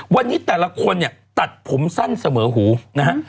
วันนี้แต่ละคนเนี่ยตัดผมสั้นเสมอหูนะฮะ